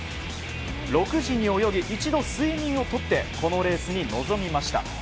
６時に泳ぎ一度、睡眠をとってこのレースに臨みました。